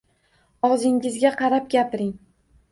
Og‘zingizga qarab gapiring